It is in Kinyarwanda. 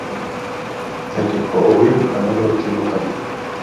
nyandiko uwimukanwa n utimukanwa